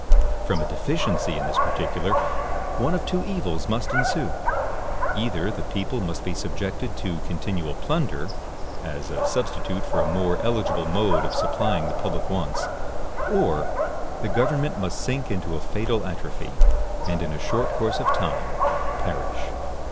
From a deficiency in this particular, one of two evils must ensue; either the people must be subjected to continual plunder, as a substitute for a more eligible mode of supplying the public wants, or the government must sink into a fatal atrophy, and, in a short course of time, perish.